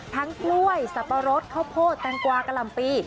กล้วยสับปะรดข้าวโพดแตงกวากะหล่ำปี